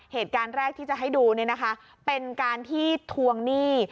เหตุการณ์แรกที่จะให้ดูเนี่ยนะคะเป็นการที่ทวงหนี้